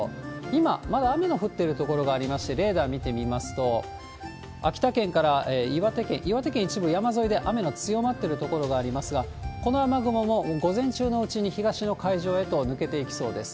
今、まだ雨の降っている所がありまして、レーダー見てみますと、秋田県から岩手県、岩手県一部山沿いで雨の強まってる所がありますが、この雨雲も午前中のうちに東の海上へと抜けていきそうです。